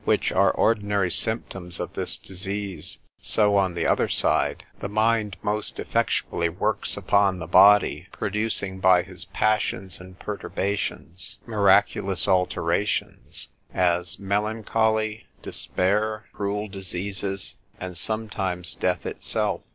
which are ordinary symptoms of this disease: so on the other side, the mind most effectually works upon the body, producing by his passions and perturbations miraculous alterations, as melancholy, despair, cruel diseases, and sometimes death itself.